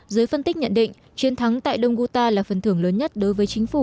giới phân tích nhận định chiến thắng tại đông guta là phần thưởng lớn nhất đối với chính phủ